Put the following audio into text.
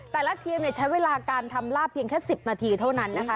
แต่ละทีมใช้เวลาการทำลาบเพียงแค่๑๐นาทีเท่านั้นนะคะ